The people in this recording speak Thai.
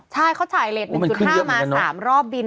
ใช่เขาถ่ายเลส๑๕มา๓รอบบิน